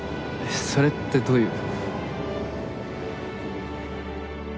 それってどういう？